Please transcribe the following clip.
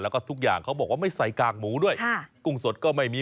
แล้วก็ทุกอย่างเขาบอกว่าไม่ใส่กากหมูด้วยกุ้งสดก็ไม่มี